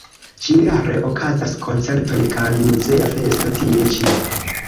Ĉiujare okazas koncertoj kaj muzea festo tie ĉi.